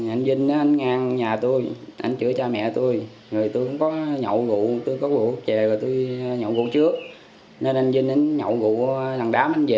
anh vinh có vụ chè rồi tôi nhậu vụ trước nên anh vinh nhậu vụ nằm đám anh về